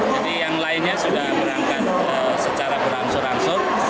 jadi yang lainnya sudah berangkat secara berangsur angsur